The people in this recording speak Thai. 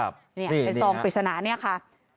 เป็นซองปริศนานี้ค่ะ